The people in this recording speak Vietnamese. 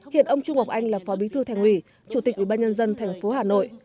hiện ông trung ngọc anh là phó bí thư thành ủy chủ tịch ủy ban nhân dân thành phố hà nội